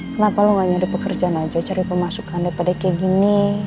kenapa lo gak nyari pekerjaan aja cari pemasukan daripada kayak gini